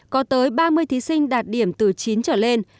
có tới ba mươi thí sinh đạt điểm từ chín trở lên